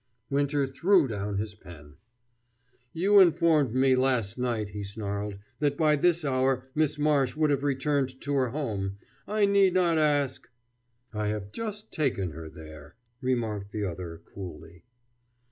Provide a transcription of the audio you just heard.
Winter threw down his pen. "You informed me last night," he snarled, "that by this hour Miss Marsh would have returned to her home. I need not ask " "I have just taken her there," remarked the other coolly.